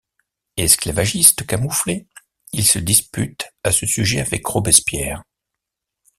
Esclavagiste camouflé, il se dispute à ce sujet avec Robespierre.